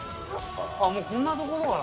あもうこんなところから？